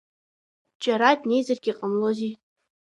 Џьара днеизаргьы ҟамлози.